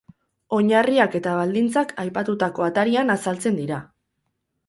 Oinarriak eta baldintzak, aipatutako atarian azaltzen dira.